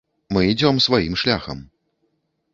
Мы ідзём сваім шляхам.